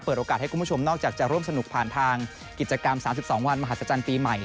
โอกาสให้คุณผู้ชมนอกจากจะร่วมสนุกผ่านทางกิจกรรม๓๒วันมหัศจรรย์ปีใหม่